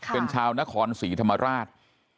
เป็นชาวนครศรีธรรมราช